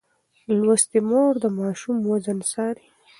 لوستې مور د ماشوم وزن څاري.